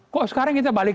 kok sekarang kita balik